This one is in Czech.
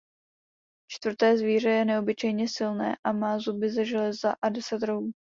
Čtvrté zvíře je neobyčejně silné a má zuby ze železa a deset rohů.